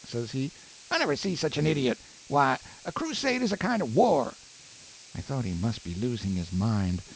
says he. "I never see such an idiot. Why, a crusade is a kind of war." I thought he must be losing his mind.